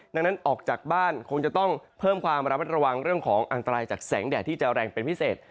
ดังนั้นออกจากบ้านคงจะต้องเพิ่มความระมัดระวังเรื่องของอันตรายจากแสงแดดที่จะแรงเป็นพิเศษ